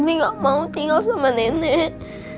ini gak mau tinggal sama nenek